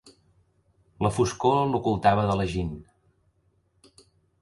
La foscor l'ocultava de la Jeanne.